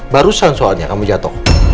barusan soalnya kamu jatuh